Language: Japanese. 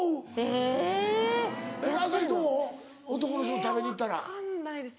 え分かんないです。